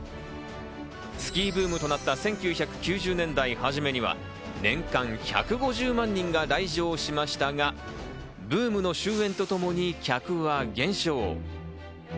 スキーブームとなった１９９０年代初めには年間１５０万人が来場しましたが、ブームの終えんとともに客は減少。